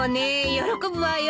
喜ぶわよ